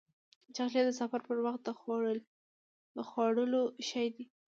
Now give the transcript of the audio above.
چاکلېټ د سفر پر وخت د خوړلو شی دی.